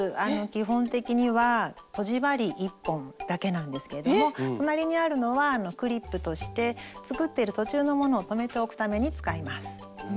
基本的にはとじ針１本だけなんですけれども隣にあるのはクリップとして作ってる途中のものを留めておくために使います。